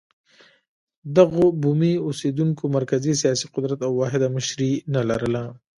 دغو بومي اوسېدونکو مرکزي سیاسي قدرت او واحده مشري نه لرله.